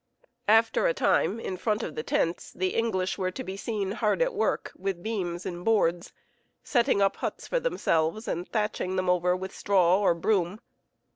After a time, in front of the tents, the English were to be seen hard at work with beams and boards, setting up huts for themselves, and thatching them over with straw or broom.